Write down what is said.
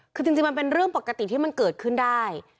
คือจริงมันเป็นเรื่องปกติที่มันเกิดขึ้นได้